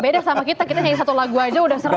beda sama kita kita nyanyi satu lagu aja udah serem